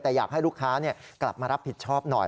แต่อยากให้ลูกค้ากลับมารับผิดชอบหน่อย